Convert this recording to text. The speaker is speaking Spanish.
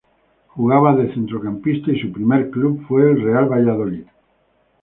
Jugaba de centrocampista y su primer club fue Real Valladolid.